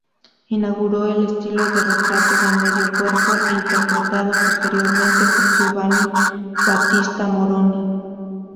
Inauguró el estilo de retrato de medio cuerpo, reinterpretado posteriormente por Giovanni Battista Moroni.